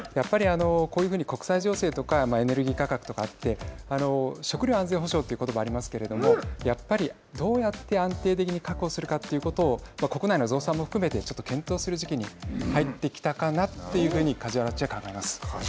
こういうふうに国際情勢とかエネルギー価格とかあって食料安全保障ということありますけどやっぱりどうやって安定的に確保するかということを国内の増産も含めて検討する時期に入ってきたかなと梶原っちは考えます。